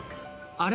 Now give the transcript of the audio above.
あれ？